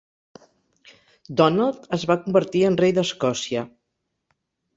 Donald es va convertir en rei d'Escòcia.